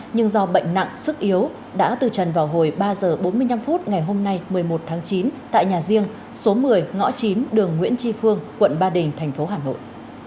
nhưng do bệnh nặng sức yếu đã từ trần vào hồi ba h bốn mươi năm phút ngày hôm nay một mươi một tháng chín tại nhà riêng số một mươi ngõ chín đường nguyễn tri phương quận ba đình thành phố hà nội